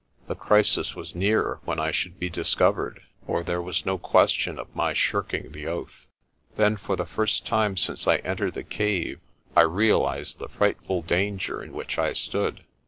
The crisis was near when I should be discovered, for there was no question of my shirking the oath. Then for the first time since I entered the cave I realised the frightful danger in which I stood.